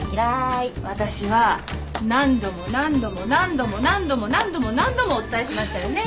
私は何度も何度も何度も何度も何度も何度もお伝えしましたよね？